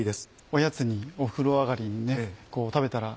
おやつにお風呂上がりに食べたら。